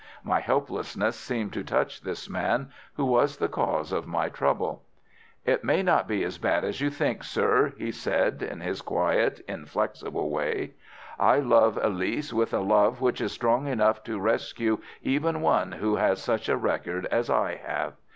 My helplessness seemed to touch this man who was the cause of my trouble. "'It may not be as bad as you think, sir,' said he, in his quiet, inflexible way. 'I love Elise with a love which is strong enough to rescue even one who has such a record as I have.